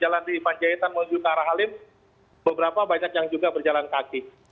jalan di panjaitan menuju ke arah halim beberapa banyak yang juga berjalan kaki